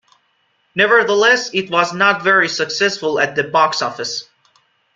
Nevertheless, it was not very successful at the box office.